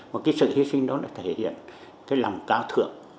một cái sự hy sinh đó đã thể hiện cái lòng cao thượng